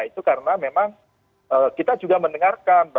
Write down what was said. itu karena memang kita juga mendengarkan